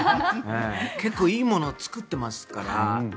結構いいものを作ってますから。